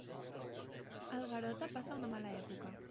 El Garota passa una mala època.